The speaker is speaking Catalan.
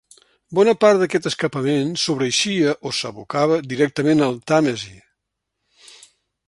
Bona part d'aquest escapament sobreeixia o s'abocava directament al Tàmesi.